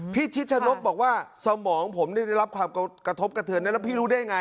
ชิชนกบอกว่าสมองผมได้รับความกระทบกระเทือนแล้วพี่รู้ได้ไง